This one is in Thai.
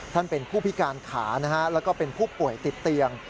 เป็นผู้พิการขานะฮะแล้วก็เป็นผู้ป่วยติดเตียง